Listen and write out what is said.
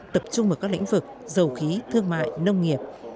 tập trung vào các lĩnh vực dầu khí thương mại nông nghiệp